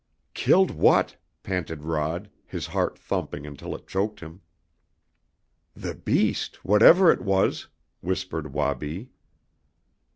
"Killed what?" panted Rod, his heart thumping until it choked him. "The beast whatever it was," whispered Wabi.